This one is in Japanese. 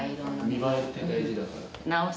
見栄えって大事だから。